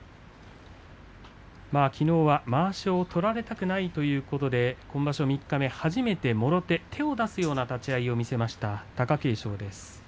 きのうはまわしを取られたくないということで今場所、三日目初めて、もろ手手を出すような立ち合いを見せました、貴景勝です。